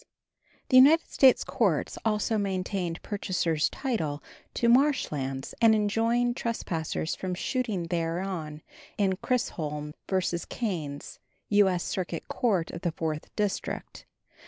The United States courts also maintained purchaser's title to marsh lands and enjoined trespassers from shooting thereon in Chisholm vs. Caines (U. S. Circuit Court of the 4th District).